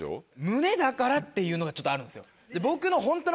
ムネだからっていうのがちょっとあるんですよ。